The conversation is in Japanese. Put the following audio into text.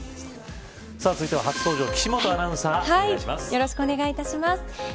続いては初登場岸本アナウンサーよろしくお願いいたします。